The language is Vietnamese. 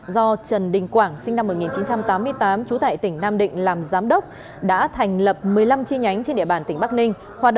do trần đình quảng sinh năm một nghìn chín trăm tám mươi tám trú tại tỉnh nam định làm giám đốc đã thành lập một mươi năm chi nhánh trên địa bàn tỉnh bắc ninh